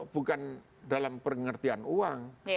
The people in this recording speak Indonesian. bukan dalam pengertian uang